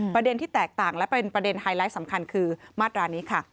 ประเด็นที่แตกต่างและเป็นประเด็นไฮไลท์สำคัญคือมาตรานี้ค่ะ